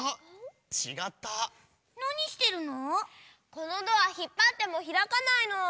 このドアひっぱってもひらかないの。